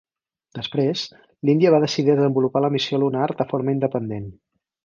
Després, l'Índia va decidir desenvolupar la missió lunar de forma independent.